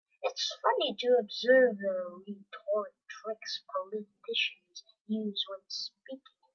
It's funny to observe the rhetoric tricks politicians use when speaking.